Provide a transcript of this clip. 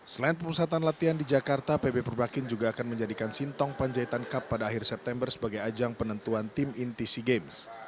selain perusahaan latihan di jakarta pb purwakin juga akan menjadikan sintong penjahitan cup pada akhir september sebagai ajang penentuan tim intc games